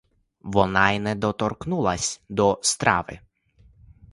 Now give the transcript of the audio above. Вона й не доторкнулась до страви.